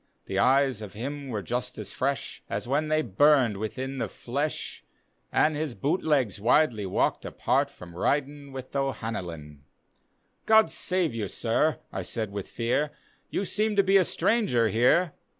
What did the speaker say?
The eyes of him were just as fresh As when they burned within the fle^; And his boot legs widely walked apart From riding with O'Hanlon. "God save you, Sir!" I said with fear, " You seem to be a stranger here."